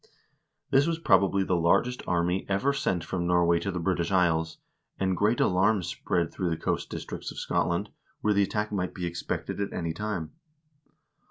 This was probably the largest army ever sent from Norway to the British Isles, and great alarm spread through the coast districts of Scotland, where the attack might be expected at any time.